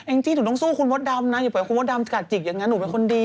จี้หนูต้องสู้คุณมดดำนะอย่าปล่อยคุณมดดำกัดจิกอย่างนั้นหนูเป็นคนดี